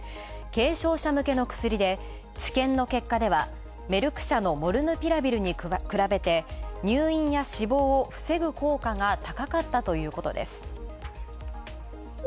軽症者向けの薬で治験の結果ではメルク社のモルヌピラビルに比べて入院や死亡を防ぐ効果が高かったということです。